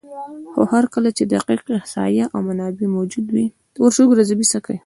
خو هر کله چې دقیق احصایه او منابع موجود وي،